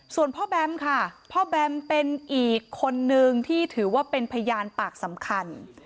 ส่วนพ่อแบมค่ะพ่อแบมเป็นอีกคนนึงที่ถือว่าเป็นพยานปากสำคัญ